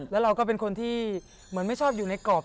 แล้วเราก็เป็นคนที่เหมือนไม่ชอบอยู่ในกรอบ